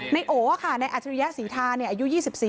ในโหวะค่ะในอัธิริยสีทาอายุ๒๔